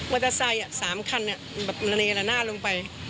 วัตเตอร์ไซค์๓คันระเนยละหน้าลงไป